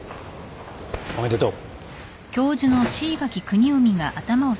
おめでとう。